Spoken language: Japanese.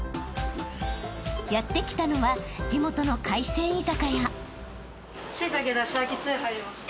［やって来たのは地元の海鮮居酒屋］